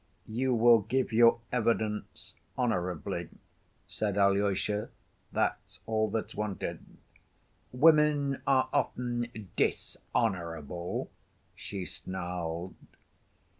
"You will give your evidence honorably," said Alyosha; "that's all that's wanted." "Women are often dishonorable," she snarled.